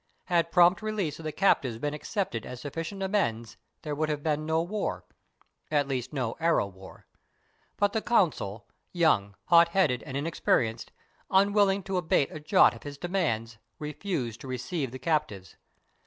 Had prompt release of the captives been accepted as suf ficient amends, there would have been no war — at least, no "Arrow War"; but the consul, young, hot headed, and inexperienced, unwilling to abate a jot of his demands, refused to receive the captives.